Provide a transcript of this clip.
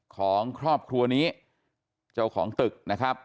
ของครอบครัวนี้เจ้าของตึกนะครับ